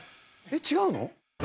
えっ違うの？